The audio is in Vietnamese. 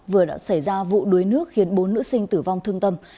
vừa đã xảy ra vụ đuối nước khiến bốn nữ sinh tử vong thương tâm